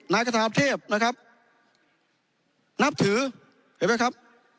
นายกระทาเทพนะครับนับถือเห็นไหมครับ